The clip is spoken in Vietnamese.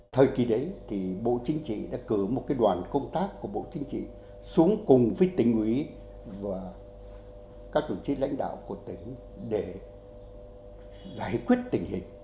thời kỳ đấy thì bộ chính trị đã cử một đoàn công tác của bộ chính trị xuống cùng với tỉnh ủy và các đồng chí lãnh đạo của tỉnh để giải quyết tình hình